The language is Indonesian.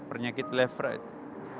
pernyakit lepra itu